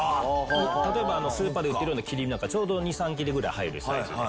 例えばスーパーで売ってるような切り身なんかちょうど２３切れぐらい入るサイズで。